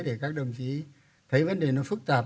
để các đồng chí thấy vấn đề nó phức tạp